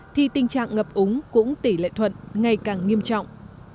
thì tình trạng ngập úng cũng tỷ lệ thuận ngày càng nghiêm trọng